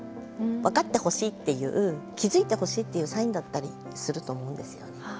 分かってほしいっていう気付いてほしいっていうサインだったりすると思うんですよね。